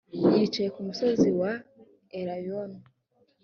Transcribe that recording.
yicaye ku musozi wa elayono.